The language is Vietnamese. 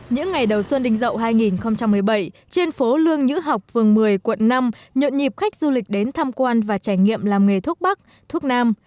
những ngày đầu xuân đình dậu hai nghìn một mươi bảy trên phố lương nhữ học phường một mươi quận năm nhộn nhịp khách du lịch đến tham quan và trải nghiệm làm nghề thuốc bắc thuốc nam